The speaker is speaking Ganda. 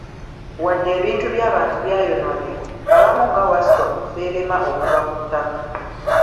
Wadde ebintu by'abantu byayonoonebwa, abamu nga Wasswa beerema okuva ku ttaka.